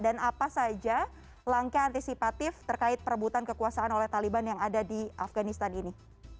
dan apa saja langkah antisipatif terkait perebutan kekuasaan oleh taliban yang ada di afghanistan ini